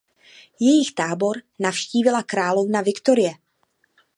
Jejich tábor navštívila královna Viktorie.